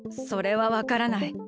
それはわからない。